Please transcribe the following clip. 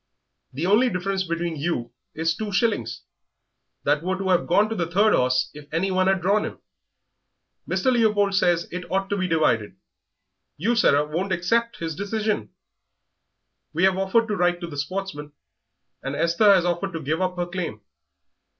The only difference between you is two shillings, that were to have gone to the third horse if anyone had drawn him. Mr. Leopold says it ought to be divided; you, Sarah, won't accept his decision. We have offered to write to the Sportsman, and Esther has offered to give up her claim.